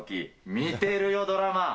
見てるよ、ドラマ。